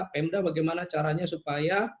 pemda bagaimana caranya supaya